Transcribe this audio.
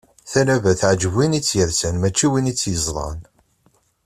Talaba, teɛǧeb win i tt-yersan mačči d win i tt-yeẓḍan.